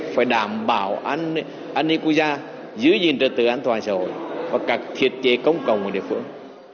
phải đảm bảo an ninh quốc gia giữ gìn trật tự an toàn xã hội và các thiết chế công cộng ở địa phương